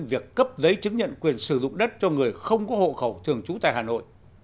việc cấp giấy chứng nhận quyền sử dụng đất cho người không có hộ khẩu thường trú tại hà nội